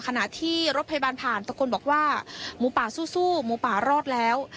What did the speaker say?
ขณะที่รถพยาบาลผ่านตะโกนบอกว่าหมูป่าสู้หมูป่ารอดแล้ว